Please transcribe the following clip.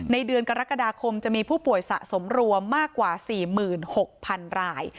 เดือนกรกฎาคมจะมีผู้ป่วยสะสมรวมมากกว่า๔๖๐๐๐ราย